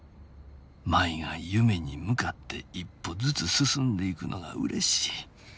舞が夢に向かって一歩ずつ進んでいくのが嬉しい」。